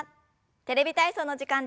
「テレビ体操」の時間です。